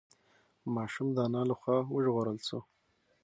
ماشوم د انا له خوا وژغورل شو.